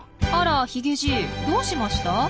あらヒゲじいどうしました？